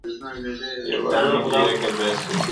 o يو وار نوک ځاى که، بيا سوک!